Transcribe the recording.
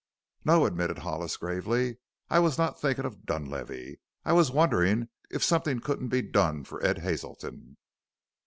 "No," admitted Hollis gravely, "I was not thinking of Dunlavey. I was wondering if something couldn't be done for Ed Hazelton."